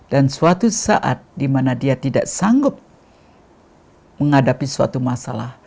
dan suatu saat di mana dia tidak sanggup menghadapi suatu masalah